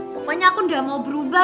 pokoknya aku gak mau berubah